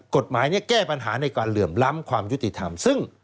กฎหมายแก้ปัญหาในการเหลื่อมล้ำความยุติธรรมซึ่ง